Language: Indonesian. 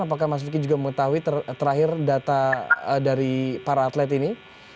apakah mas vicky juga mengetahui terakhir data dari para atlet ini